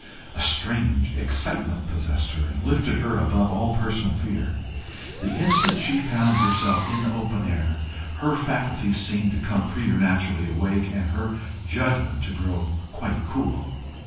A strange excitement possessed her, and lifted her above all personal fear. The instant she found herself in the open air, her faculties seemed to come preternaturally awake, and her judgment to grow quite cool.